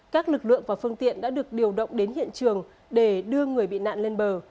các lực lượng và phương tiện đã được điều động đến hiện trường để đưa người bị nạn lên bờ